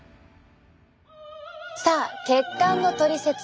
さあ血管のトリセツ。